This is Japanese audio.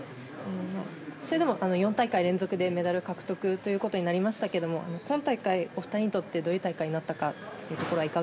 それでも４大会連続でメダル獲得となりましたけれども今大会、お二人にとってどういう大会になりましたか。